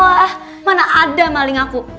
wah mana ada maling aku